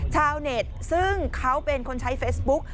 ชาวเน็ตซึ่งเขาเป็นคนใช้เฟซบุ๊ก